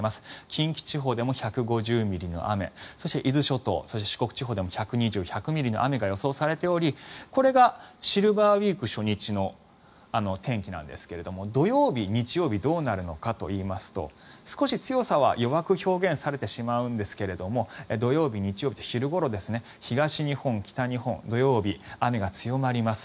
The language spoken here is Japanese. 近畿地方でも１５０ミリの雨そして伊豆諸島、四国地方でも１２０、１００ミリの雨が予想されておりこれがシルバーウィーク初日の天気なんですが土曜日、日曜日どうなるのかといいますと少し強さは弱く表現されてしまうんですが土曜日、日曜日の昼ごろ東日本、北日本土曜日、雨が強まります。